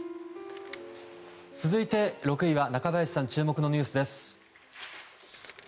続いて６位は中林さん注目のニュースです。